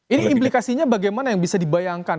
ini implikasinya bagaimana yang bisa dibayangkan